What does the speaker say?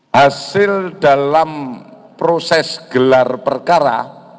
hasil dalam proses gelar perkara